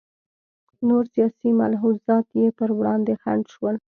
نور سیاسي ملحوظات یې پر وړاندې خنډ شول.